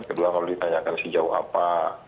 kedua kalau ditanyakan sejauh apa